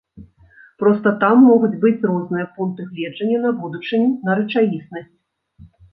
Проста там могуць быць розныя пункты гледжання на будучыню, на рэчаіснасць.